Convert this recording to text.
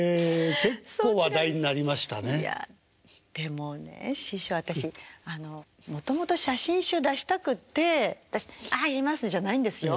でもね師匠私もともと写真集出したくって「はいやります」じゃないんですよ。